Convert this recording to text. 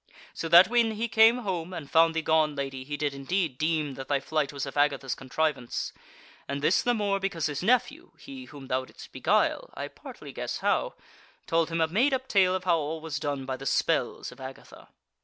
So that when he came home, and found thee gone, lady, he did indeed deem that thy flight was of Agatha's contrivance. And this the more because his nephew (he whom thou didst beguile; I partly guess how) told him a made up tale how all was done by the spells of Agatha.